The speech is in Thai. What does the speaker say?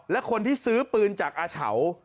และคนที่ซื้อปืนจากอาเฉา